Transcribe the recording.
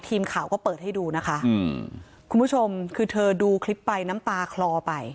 ทีมข่าวก็เปิดให้ดูนะคะอืมคุณผู้ชมคือเธอดูคลิปไปน้ำตาคลอไป